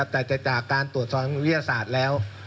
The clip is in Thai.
แต่จากการตรวจสอบวิทยาศาสตร์แล้ว